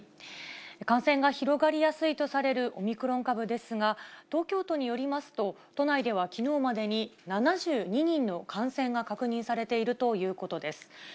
感染が広がりやすいとされるオミクロン株ですが、東京都によりますと、都内ではきのうまでに、７２人の感染が確認されているということです。